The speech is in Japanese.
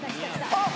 あっ。